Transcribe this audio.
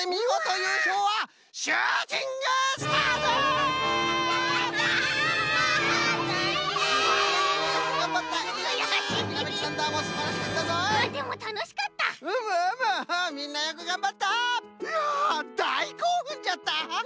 いやだいこうふんじゃった！